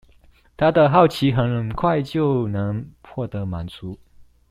他的好奇很快就能獲得滿足